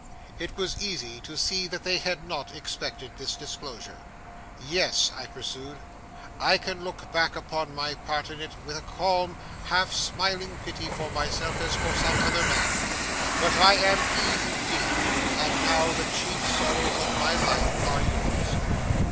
It was easy to see they had not expected this disclosure. 'Yes,' I pursued. 'I can look back upon my part in it with a calm, half smiling pity for myself as for some other man. But I am he, indeed; and now the chief sorrows of my life are yours.